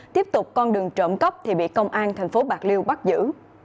tiếp tục con đường trộm cắp thì bị công an thành phố bạc liêu bắt giữ